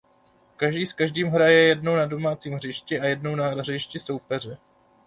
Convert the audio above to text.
Každý s každým hraje jednou na domácím hřišti a jednou na hřišti soupeře.